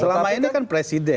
selama ini kan presiden